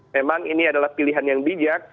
memang ini adalah pilihan yang bijak